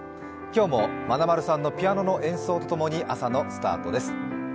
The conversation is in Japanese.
今日もまなまるさんのピアノの演奏とともに朝のスタートです。